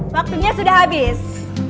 waktunya sudah habis